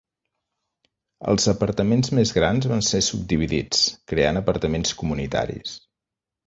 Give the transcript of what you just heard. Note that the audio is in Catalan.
Els apartaments més grans van ser subdividits, creant apartaments comunitaris.